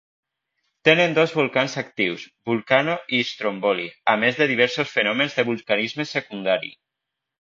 Tenen dos volcans actius, Vulcano i Stromboli, a més de diversos fenòmens de vulcanisme secundari.